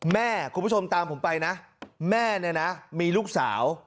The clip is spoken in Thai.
คุณผู้ชมตามผมไปนะแม่เนี่ยนะมีลูกสาว